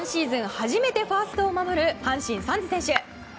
初めてファーストを守る阪神、サンズ選手。